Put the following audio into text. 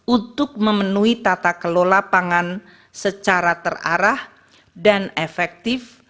untuk memenuhi tata kelola pangan secara terarah dan efektif